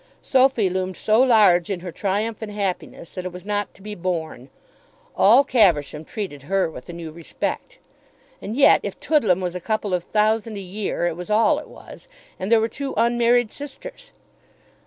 Sophy loomed so large in her triumph and happiness, that it was not to be borne. All Caversham treated her with a new respect. And yet if Toodlam was a couple of thousand a year, it was all it was; and there were two unmarried sisters!